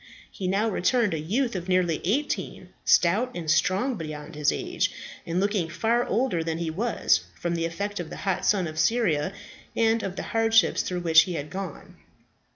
He now returned a youth of nearly eighteen, stout and strong beyond his age, and looking far older than he was, from the effect of the hot sun of Syria and of the hardships through which he had gone.